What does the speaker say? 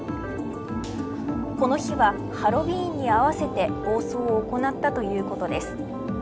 この日はハロウィーンに合わせて暴走を行ったということです。